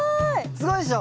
すごいでしょ？